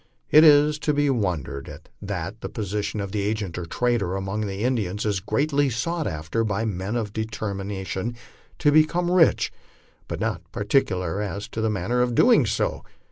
Is it to be wondered at that the position of agent or trader among the Indians is greatly sought after by men deter mined to become rich, but not particular as to the manner of doing so?